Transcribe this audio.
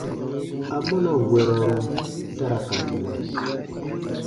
Amɔna wɛrɔru ta ra ka nɛ?